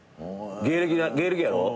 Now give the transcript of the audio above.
芸歴やろ？